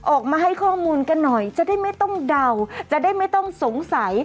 ออกมาให้ข้อมูลกันหน่อยจะได้ไม่ต้องเดาจะได้ไม่ต้องสงสัย